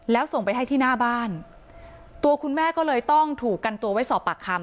แล้วส่งไปให้ที่หน้าบ้านตัวคุณแม่ก็เลยต้องถูกกันตัวไว้สอบปากคำ